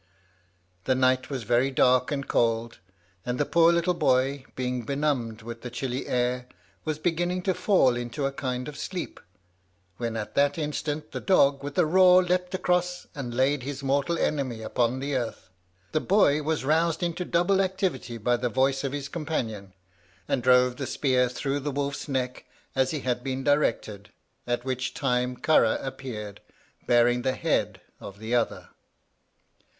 The night was very dark and cold, and the poor little boy, being benumbed with the chilly air, was beginning to fall into a kind of sleep, when at that instant the dog, with a roar, leaped across, and laid his mortal enemy upon the earth. The boy was roused into double activity by the voice of his companion, and drove the spear through the wolf's neck as he had been directed, at which time Carragh appeared, bearing the head of the other.